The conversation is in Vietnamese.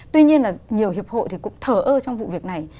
tuy nhiên là nhiều hiệp hội thì cũng thở ơ trong vụ việc này